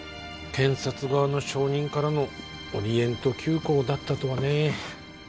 『検察側の証人』からの『オリエント急行』だったとはね。